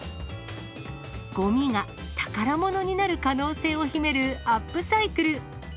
ごみが宝物になる可能性を秘めるアップサイクル。